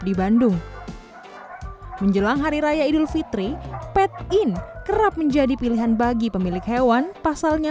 di bandung menjelang hari raya idul fitri pat in kerap menjadi pilihan bagi pemilik hewan pasalnya